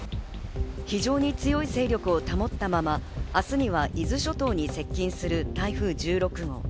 非常に強い勢力を保ったまま明日には伊豆諸島に接近する台風１６号。